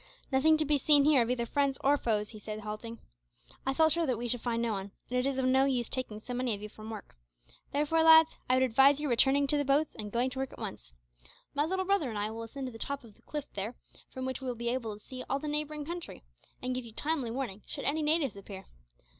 "Nothing to be seen here of either friends or foes," he said, halting. "I felt sure that we should find no one, and it is of no use taking so many of you from work; therefore, lads, I would advise your returning to the boats and going to work at once. My little brother and I will ascend to the top of the cliff there, from which we will be able to see all the neighbouring country, and give you timely warning should any natives appear.